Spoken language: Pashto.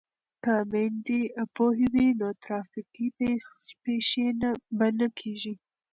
که میندې پوهې وي نو ترافیکي پیښې به نه کیږي.